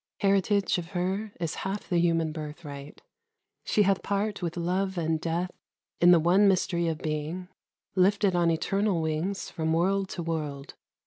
Heritage of her Is half the human birthright. She hath part With Love and Death in the one mystery Of being, lifted on eternal wings From world to world.